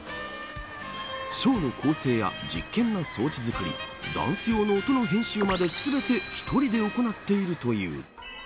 ショーの構成や実験の装置作りダンス用の音の編集まで全て１人で行っているという。